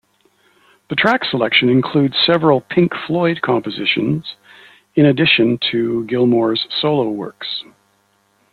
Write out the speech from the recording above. The track selection includes several Pink Floyd compositions in addition to Gilmour's solo works.